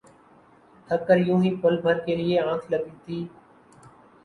تھک کر یوں ہی پل بھر کے لیے آنکھ لگی تھی